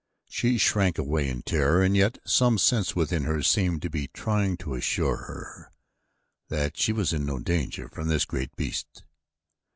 She shrank away in terror and yet some sense within her seemed to be trying to assure her that she was in no danger from this great beast.